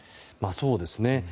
そうですね。